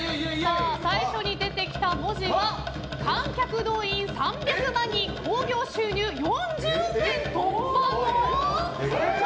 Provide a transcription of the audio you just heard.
最初に出てきた文字は観客動員３００万人興行収入４０億円突破の。